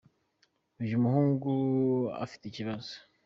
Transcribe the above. uyumuhungu afitikibazo